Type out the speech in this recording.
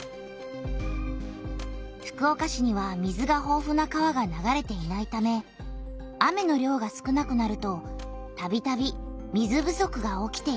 福岡市には水がほうふな川が流れていないため雨の量が少なくなるとたびたび水不足が起きていた。